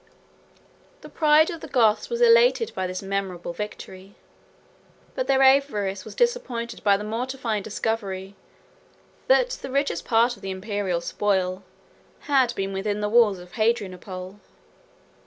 ] The pride of the Goths was elated by this memorable victory; but their avarice was disappointed by the mortifying discovery, that the richest part of the Imperial spoil had been within the walls of Hadrianople.